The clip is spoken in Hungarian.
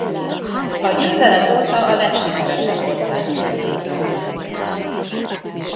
A győzelem óta a legsikeresebb országok közé tartozik.